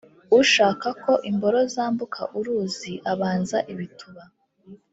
Ushaka ko imboro zambuka uruzi abanza ibituba.